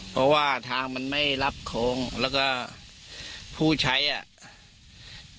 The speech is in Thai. เพราะว่าทางมันไม่รับโค้งแล้วก็ผู้ใช้อ่ะ